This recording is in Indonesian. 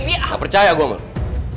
gak percaya gue mona